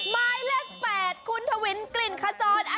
ไม้เลข๘คุณถวินกลิ่นขจรอายุ๖๕ปีจ้า